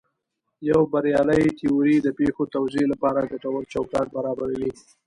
یوه بریالۍ تیوري د پېښو توضیح لپاره ګټور چوکاټ برابروي.